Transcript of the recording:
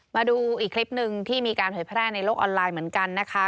มาดูอีกคลิปหนึ่งที่มีการเผยแพร่ในโลกออนไลน์เหมือนกันนะคะ